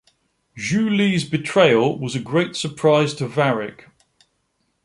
Zhu Li’s betrayal was a great surprise to Varrick.